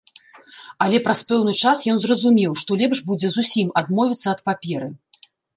Але праз пэўны час ён зразумеў, што лепш будзе зусім адмовіцца ад паперы.